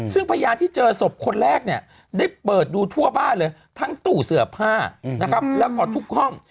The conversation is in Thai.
ซึ่งพยานที่เจอศพคนแรกได้เปิดดูทั่วบ้านเลยทั้งตู้เสือบผ้าและก่อนทุกห้อง